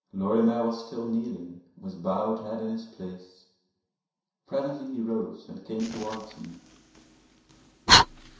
Lorimer was still kneeling with bowed head in his place. Presently he rose and came towards me.